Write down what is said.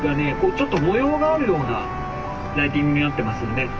ちょっと模様があるようなライティングになってますよね。